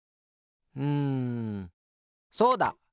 うんそうだ！